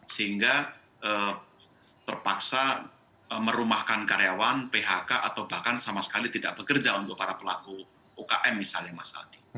sehingga terpaksa merumahkan karyawan phk atau bahkan sama sekali tidak bekerja untuk para pelaku ukm misalnya mas aldi